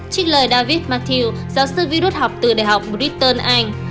trích lời david mathieu giáo sư virus học từ đại học britain anh